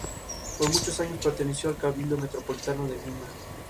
Por muchos años perteneció al Cabildo Metropolitano de Lima.